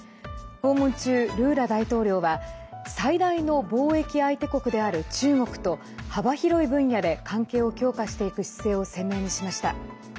訪問中、ルーラ大統領は最大の貿易相手国である中国と幅広い分野で関係を強化していく姿勢を鮮明にしました。